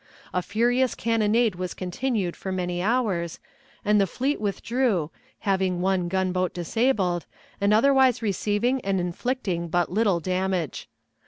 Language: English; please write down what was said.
A furious cannonade was continued for many hours, and the fleet withdrew, having one gunboat disabled, and otherwise receiving and inflicting but little damage.